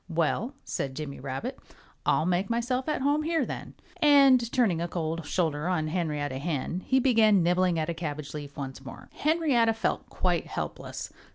"Well," said Jimmy Rabbit, "I'll make myself at home here, then." And turning a cold shoulder on Henrietta Hen he began nibbling at a cabbage leaf once more. Henrietta felt quite helpless.